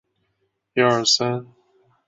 目前还不清楚她是否会继续从事体操运动。